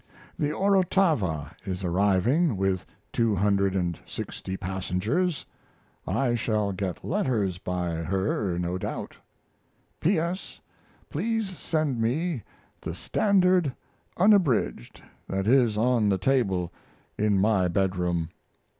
The Orotava is arriving with 260 passengers I shall get letters by her, no doubt. P. S. Please send me the Standard Unabridged that is on the table in my bedroom.